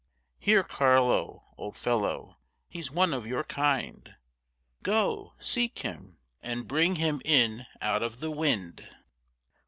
Here, Carlo, old fellow, he's one of your kind, Go, seek him, and bring him in out of the wind.